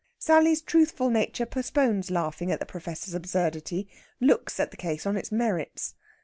Sally's truthful nature postpones laughing at the Professor's absurdity; looks at the case on its merits.